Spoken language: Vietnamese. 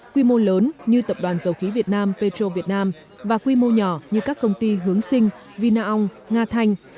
quy mô lớn như tập đoàn dầu khí việt nam petro việt nam và quy mô nhỏ như các công ty hướng sinh vinaong nga thanh